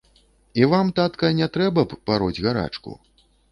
І вам, татка, не трэба б пароць гарачку.